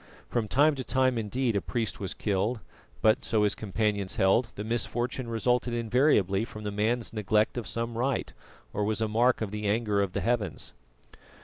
From time to time indeed a priest was killed; but, so his companions held, the misfortune resulted invariably from the man's neglect of some rite, or was a mark of the anger of the heavens.